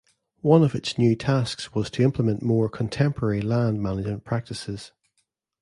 One of its new tasks was to implement more contemporary land management practices.